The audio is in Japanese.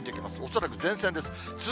恐らく前線です。